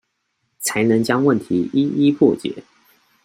才能將問題一一破解